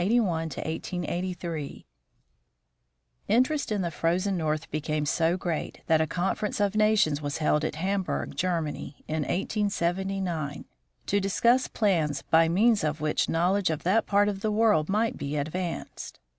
GREELY IN GRINNELL LAND i 881 1883 Interest in the Frozen North became so great, that a conference of nations was held in Hamburg, Germany, in 1879, to discuss plans by means of which knowledge of that part of the world might be advanced.